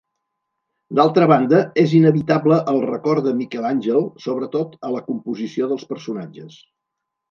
D'altra banda, és inevitable el record de Miquel Àngel, sobretot a la composició dels personatges.